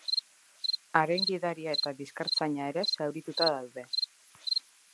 Haren gidaria eta bizkartzaina ere zaurituta daude.